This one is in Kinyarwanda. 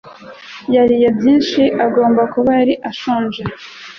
yariye byinshi. Agomba kuba yari ashonje.